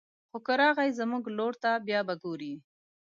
خو که راغی زموږ لور ته بيا به ګوري